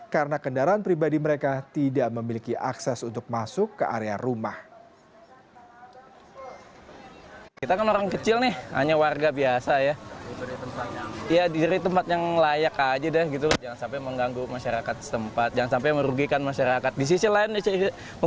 karena kendaraan pribadi mereka tidak memiliki akses untuk masuk ke area rumah